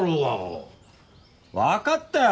わかったよ！